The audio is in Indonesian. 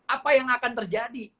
apa yang akan terjadi